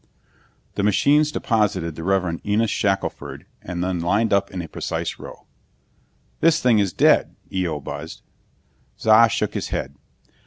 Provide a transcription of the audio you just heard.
The machines deposited the Reverend Enos Shackelford and then lined up in a precise row. "This thing is dead!" Eo buzzed. Za shook his head.